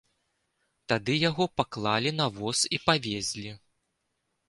Тады яго паклалі на воз і павезлі.